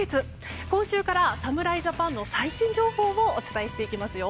今週から侍ジャパンの最新情報をお伝えしていきます。